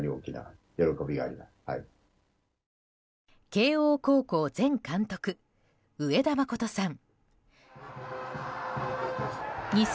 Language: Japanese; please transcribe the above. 慶応高校前監督・上田誠さん。